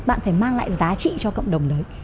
bạn phải mang lại giá trị cho cộng đồng đấy